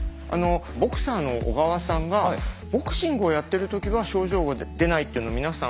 ボクサーの小川さんがボクシングをやってる時は症状が出ないっていうの皆さん